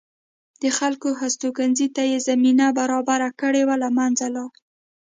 د خلکو هستوګنې ته یې زمینه برابره کړې وه له منځه لاړل